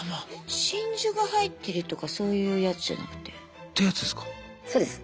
真珠が入ってるとかそういうやつじゃなくて？ってやつですか？